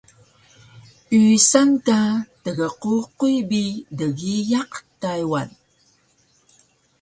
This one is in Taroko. Yusan ka tgququy bi dgiyaq Taywan